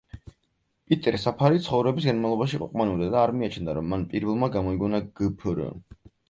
პიტერ საფარი ცხოვრების განმავლობაში ყოყმანობდა და არ მიაჩნდა, რომ მან პირველმა „გამოიგონა“ გფრ.